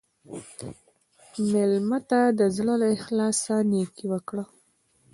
مېلمه ته د زړه له اخلاصه نیکي وکړه.